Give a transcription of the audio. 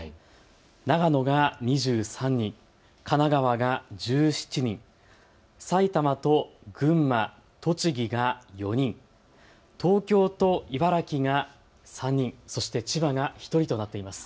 長野が２３人、神奈川が１７人、埼玉と群馬、栃木が４人、東京と茨城が３人、そして千葉が１人となっています。